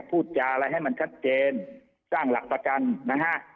พูดจาอะไรให้มันชัดเจนสร้างหลักประกันนะฮะ